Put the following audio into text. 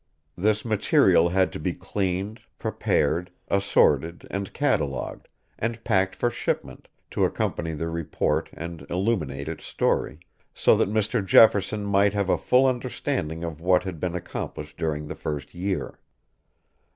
This material had to be cleaned, prepared, assorted and catalogued, and packed for shipment, to accompany the report and illuminate its story, so that Mr. Jefferson might have a full understanding of what had been accomplished during the first year.